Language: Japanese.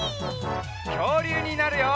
きょうりゅうになるよ！